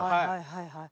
はい。